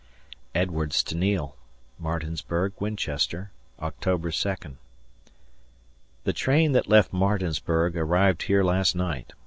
[Edwards to Neil] Martinsburg Winchester, Oct. 2d. The train that left Martinsburg arrived here last night.